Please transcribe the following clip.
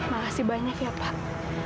makasih banyak ya pak